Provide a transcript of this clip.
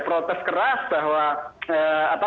protes keras bahwa